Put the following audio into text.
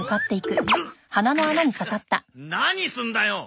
何すんだよ！